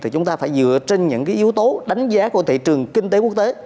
thì chúng ta phải dựa trên những cái yếu tố đánh giá của thị trường kinh tế quốc tế